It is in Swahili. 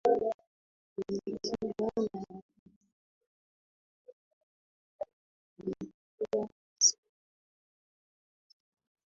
Alielekzwa na hakuchukuwa muda akafika na ilikuwa ni sehemu ya pombe za kienyeji